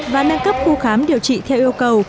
và nâng cấp khu khám điều trị theo yêu cầu